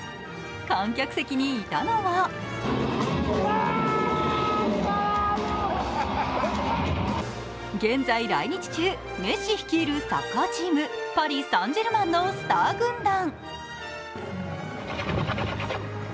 観客席にいたのは現在来日中、メッシ率いるサッカーチーム、パリ・サン＝ジェルマンのスター軍団。